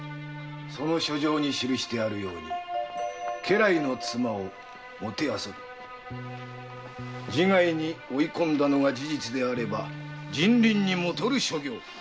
その書状に記してあるように家来の妻を弄び自害に追い込んだのが事実なら人倫に悖る所業。